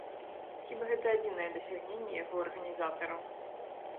Хіба, гэта адзінае дасягненне яго арганізатараў.